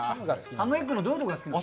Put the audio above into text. ハムエッグのどういうところが好きなの？